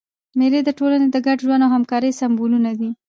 مېلې د ټولني د ګډ ژوند او همکارۍ سېمبولونه دي.